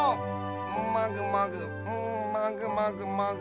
もぐもぐんもぐもぐもぐ。